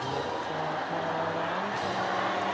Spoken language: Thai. ดีปะ